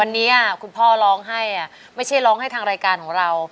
วันนี้คุณพ่อร้องให้ไม่ใช่ร้องให้ทางรายการของเรา